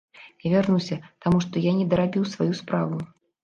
Я вярнуся, таму што я не дарабіў сваю справу.